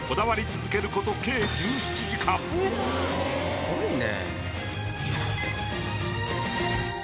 すごいね。